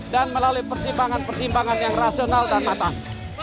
melalui pertimbangan pertimbangan yang rasional dan matang